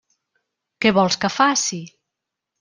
Què vols que faci?